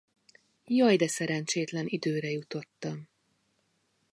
Jaj de szerencsétlen időre jutottam!